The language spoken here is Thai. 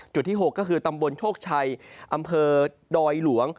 ที่๖ก็คือตำบลโชคชัยอำเภอดอยหลวง